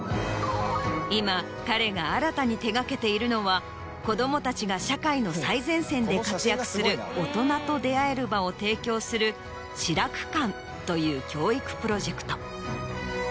今彼が新たに手がけているのは子供たちが社会の最前線で活躍する大人と出会える場を提供する之楽館という教育プロジェクト。